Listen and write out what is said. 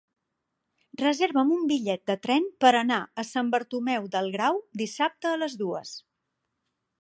Reserva'm un bitllet de tren per anar a Sant Bartomeu del Grau dissabte a les dues.